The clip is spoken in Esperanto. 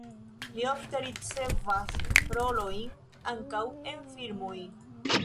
Li ofte ricevas rolojn ankaŭ en filmoj.